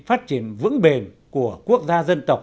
phát triển vững bền của quốc gia dân tộc